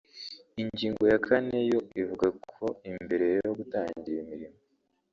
Ingingo ya kane yo ivuga ko mbere yo gutangira imirimo